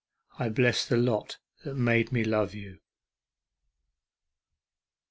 I bless the lot that made me love you.